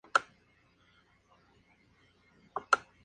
El profesor Lic.